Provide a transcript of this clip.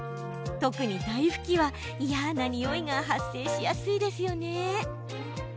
特に、台拭きは嫌なにおいが発生しやすいですよね。